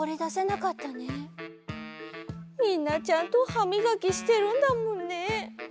みんなちゃんとはみがきしてるんだもんね。